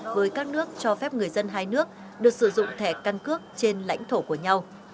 với các nước cho phép người dân hai nước được sử dụng thẻ căn cước trên lãnh thổ của nhau